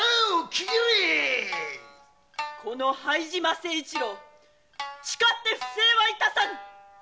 「この配島誠一郎誓って不正は致さぬ」